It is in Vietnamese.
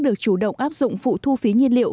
được chủ động áp dụng phụ thu phí nhiên liệu